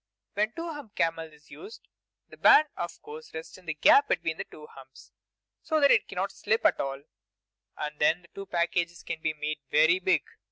When a Two Humps camel is used, the band of course rests in the gap between the two humps, so that it cannot slip at all; and then the two packages can be made very big.